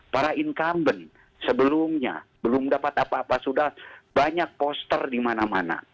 para incumbent sebelumnya belum dapat apa apa sudah banyak poster di mana mana